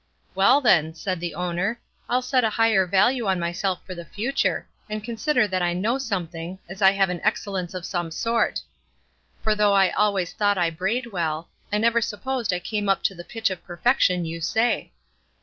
'Well then,' said the owner, 'I'll set a higher value on myself for the future, and consider that I know something, as I have an excellence of some sort; for though I always thought I brayed well, I never supposed I came up to the pitch of perfection you say.